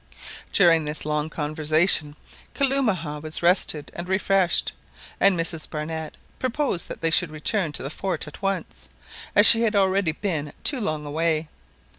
During this long conversation Kalumah was rested and refreshed, and Mrs Barnett proposed that they should return to the fort at once, as she had already been too long away.